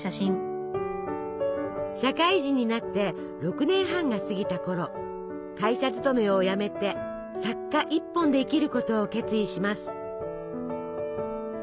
社会人になって６年半が過ぎたころ会社勤めを辞めて作家一本で生きることを決意します。